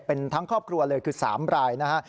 เป็นทั้งครอบครัวเลยคือ๓รายนะฮะ